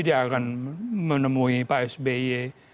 dia akan menemui pak sby